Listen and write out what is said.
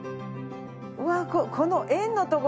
うわっこの円の所